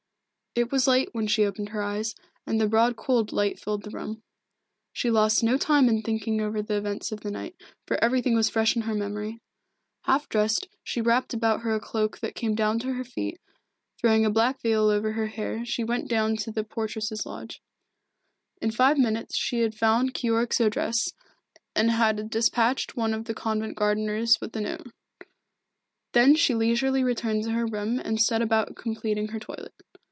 It was late when she opened her eyes, and the broad cold light filled the room. She lost no time in thinking over the events of the night, for everything was fresh in her memory. Half dressed, she wrapped about her a cloak that came down to her feet, and throwing a black veil over her hair she went down to the portress's lodge. In five minutes she had found Keyork's address and had despatched one of the convent gardeners with the note. Then she leisurely returned to her room and set about completing her toilet.